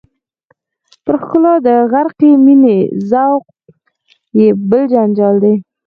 پر ښکلا د غرقې مینې ذوق یې بل جنجال دی.